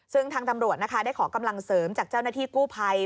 ซึ่งทางตำรวจนะคะได้ขอกำลังเสริมจากเจ้าหน้าที่กู้ภัย